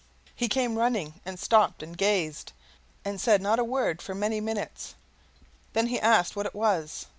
He came running, and stopped and gazed, and said not a word for many minutes. Then he asked what it was.